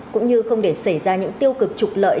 cũng như không để xảy ra những tiêu cực trục lợi